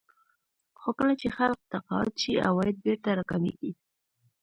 خو کله چې خلک تقاعد شي عواید بېرته راکمېږي